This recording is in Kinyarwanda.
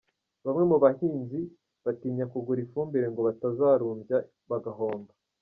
Bamwe mu bahinzi batinya kugura ifumbire ngo batazarumbya bagahomba.